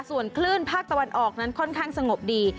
ส่วนคลื่นภาคตะวันออกนั้นค่อนข้างสงบดี